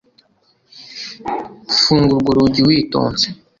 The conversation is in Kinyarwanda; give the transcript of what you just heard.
funga urwo rugi witonze